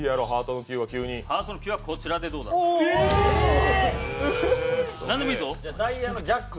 ハートの９はこちらでどうじゃ？